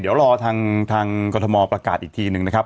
เดี๋ยวรอทางกรทมประกาศอีกทีหนึ่งนะครับ